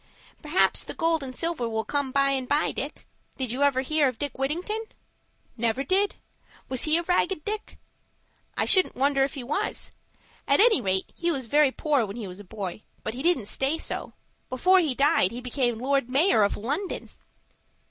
"Perhaps the gold and silver will come by and by, Dick. Did you ever hear of Dick Whittington?" "Never did. Was he a Ragged Dick?" "I shouldn't wonder if he was. At any rate he was very poor when he was a boy, but he didn't stay so. Before he died, he became Lord Mayor of London."